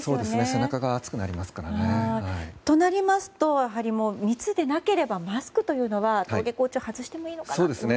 背中が暑くなりますからね。となりますと、やはり密でなければマスクというのは登下校中は外してもいいのかなと思いますね。